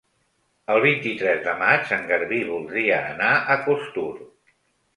El vint-i-tres de maig en Garbí voldria anar a Costur.